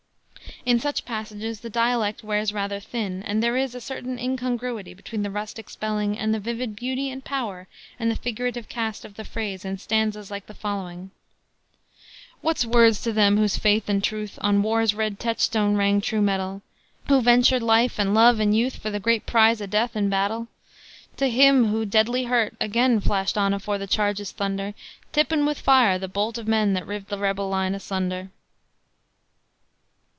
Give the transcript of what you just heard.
In such passages the dialect wears rather thin, and there is a certain incongruity between the rustic spelling and the vivid beauty and power and the figurative cast of the phrase in stanzas like the following: "Wut's words to them whose faith an' truth On war's red techstone rang true metal, Who ventered life an' love an' youth For the gret prize o' death in battle? To him who, deadly hurt, agen Flashed on afore the charge's thunder, Tippin' with fire the bolt of men That rived the rebel line asunder?"